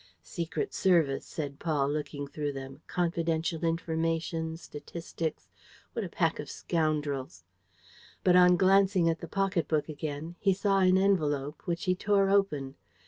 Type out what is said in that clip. "Secret Service," said Paul, looking through them. "Confidential information. ... Statistics. ... What a pack of scoundrels!" But, on glancing at the pocket book again, he saw an envelope which he tore open.